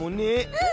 うん。